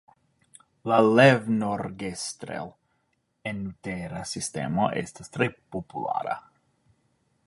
La "levnorgestrel"-enutera sistemo estas tre populara.